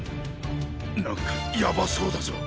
なんかヤバそうだぞ。